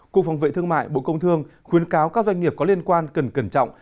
cục phòng vệ thương mại bộ công thương khuyến cáo các doanh nghiệp có liên quan cần cẩn trọng